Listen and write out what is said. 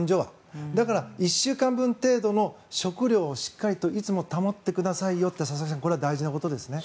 だから、１週間分程度の食料をしっかりといつも保ってくださいよって佐々木さんこれは大事なことですね。